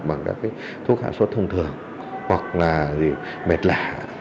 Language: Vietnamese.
bằng thuốc hạ suất thông thường hoặc mệt lạ